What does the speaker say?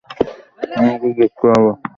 আমাদের জিততে হবে!